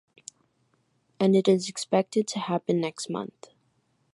And it is expected to happen next month.